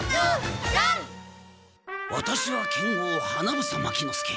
ワタシは剣豪花房牧之介。